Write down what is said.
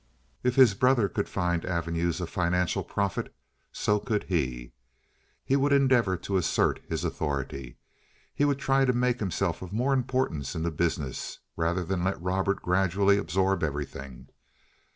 If his brother could find avenues of financial profit, so could he. He would endeavor to assert his authority—he would try to make himself of more importance in the business, rather than let Robert gradually absorb everything.